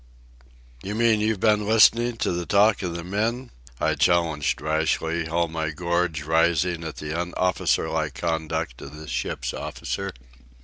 "You mean you've been listening to the talk of the men?" I challenged rashly, all my gorge rising at the unofficerlike conduct of this ship's officer.